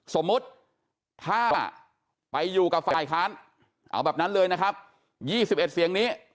สมมุติถ้าไปอยู่กับฝ่ายค้านเอาแบบนั้นเลยนะครับ๒๑เสียงนี้